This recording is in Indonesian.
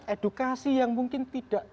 edukasi yang mungkin tidak